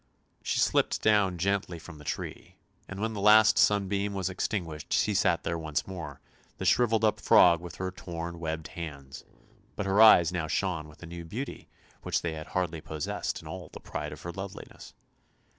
She slipped down gently from the tree, and when the last sunbeam was extinguished she sat there once more, the shrivelled up frog with her torn, webbed hands; but her eyes now shone with a new beauty which they had hardly possessed in all the pride of her loveliness.